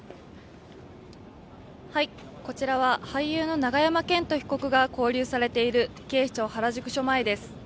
こちらは俳優の永山絢斗被告が勾留されている警視庁原宿署前です。